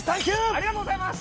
ありがとうございます！